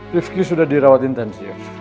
rifqi sudah dirawat intensif